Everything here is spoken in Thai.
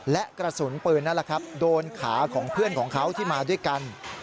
และกระสุนปืนนั่นแหละครับโดนขาของเพื่อนของเขาที่มาด้วยกัน